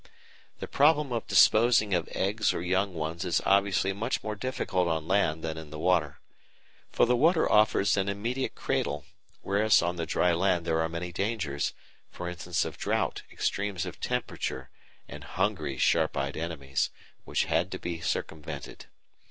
The problem of disposing of eggs or young ones is obviously much more difficult on land than in the water. For the water offers an immediate cradle, whereas on the dry land there were many dangers, e.g. of drought, extremes of temperature, and hungry sharp eyed enemies, which had to be circumvented.